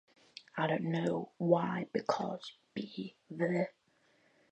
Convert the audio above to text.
The lac repressor is a four-part protein, a tetramer, with identical subunits.